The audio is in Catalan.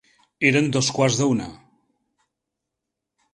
Eren dos quarts d'una.